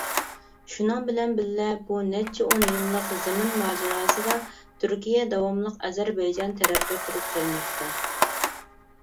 شۇنىڭ بىلەن بىللە، بۇ نەچچە ئون يىللىق زېمىن ماجىراسىدا، تۈركىيە داۋاملىق ئەزەربەيجان تەرەپتە تۇرۇپ كەلمەكتە.